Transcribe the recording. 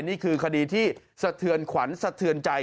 นี่คือคดีที่สะเทือนขวัญสะเทือนใจ